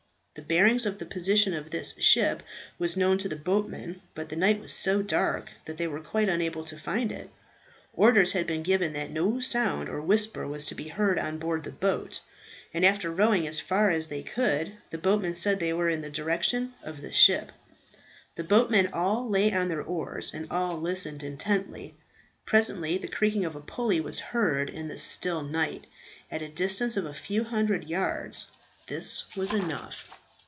The bearings of the position of this ship was known to the boatmen, but the night was so dark that they were quite unable to find it. Orders had been given that no sound or whisper was to be heard on board the boat; and after rowing as far as they could, the boatmen said they were in the direction of the ship. The boatmen all lay on their oars, and all listened intently. Presently the creaking of a pulley was heard in the still night, at a distance of a few hundred yards. This was enough.